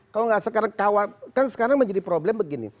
kalau nggak sekarang kan sekarang menjadi problem begini